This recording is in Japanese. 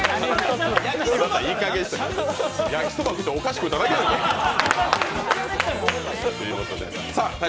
焼きそば食うて、お菓子食っただけやろう。